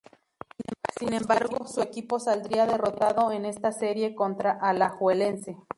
Sin embargo, su equipo saldría derrotado en esta serie contra Alajuelense.